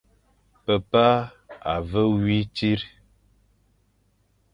Pepa a ve wui tsit.